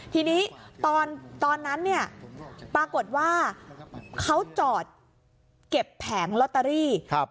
ทีนี้ตอนนั้นเนี่ยปรากฏว่าเขาจอดเก็บแผงลอตเตอรี่